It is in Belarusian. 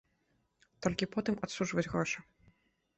Толькі потым адсуджваць грошы.